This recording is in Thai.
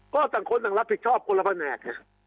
ก็ต่างคนต่างรับผิดชอบคนละแผนก